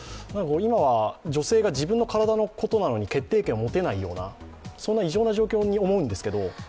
今は女性が自分の体のことなのに決定権を持てないような、そんな異常な状況のように思うんですけど。